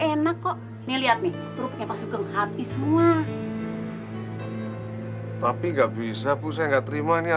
enak kok nih lihat nih kerupuknya pasuk ke habis semua tapi nggak bisa bu saya nggak terima ini